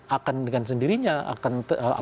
akan dengan sendirinya akan